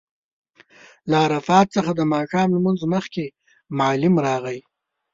له عرفات څخه د ماښام لمونځ مخکې معلم راغی.